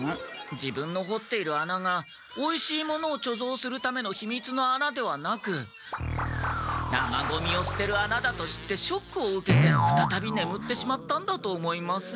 自分の掘っている穴がおいしいものをちょぞうするためのひみつの穴ではなく生ゴミをすてる穴だと知ってショックを受けてふたたびねむってしまったんだと思います。